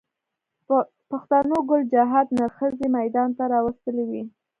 پښتنو ګل چاهت نر ښځی ميدان ته را وستلی و